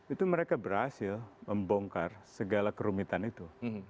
itu mereka berhasil membongkar segala kerumitan itu